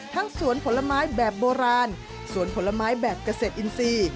สวนผลไม้แบบโบราณสวนผลไม้แบบเกษตรอินทรีย์